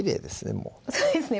もうそうですね